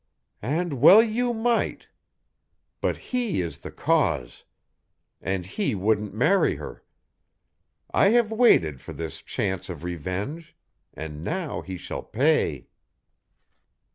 "And well you might. But he is the cause! And he wouldn't marry her! I have waited for this chance of revenge, and now he shall pay."